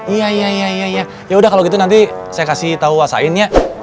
iya iya iya yaudah kalau gitu nanti saya kasih tau aslinya